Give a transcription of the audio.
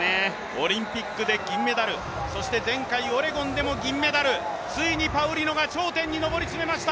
オリンピックで銀メダル、前回オレゴンでも銀メダル、ついにパウリノが頂点に上り詰めました。